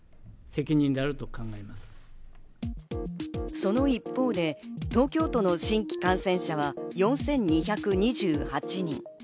その一方で、東京都の新規感染者は４２２８人。